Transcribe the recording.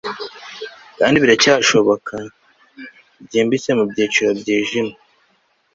kandi biracyashoboka, byimbitse mubicu byijimye